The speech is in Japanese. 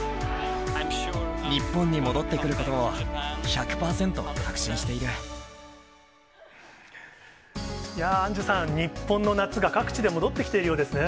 日本に戻ってくることをいや、アンジュさん、日本の夏が各地で戻ってきているようですね。